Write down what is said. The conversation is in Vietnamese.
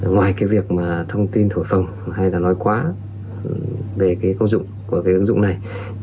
ngoài việc thông tin thổi phồng hay là nói quá về công dụng của ứng dụng này